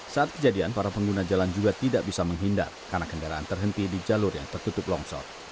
saat kejadian para pengguna jalan juga tidak bisa menghindar karena kendaraan terhenti di jalur yang tertutup longsor